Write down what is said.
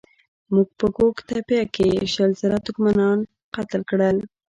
موږ په ګوک تېپه کې شل زره ترکمنان قتل کړل.